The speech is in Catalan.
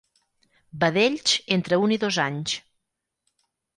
Vedells entre un i dos anys.